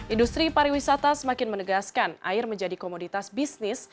industri pariwisata semakin menegaskan air menjadi komoditas bisnis